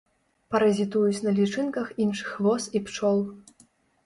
Паразітуюць на лічынках іншых вос і пчол.